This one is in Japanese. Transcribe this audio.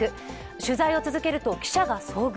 取材を続けると、記者が遭遇。